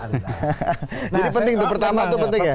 jadi penting itu pertama itu penting ya